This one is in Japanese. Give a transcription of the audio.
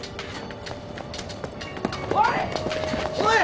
おい！